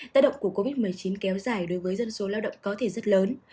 tác động của covid một mươi chín kéo dài đối với dân số lao động có thể rất lớn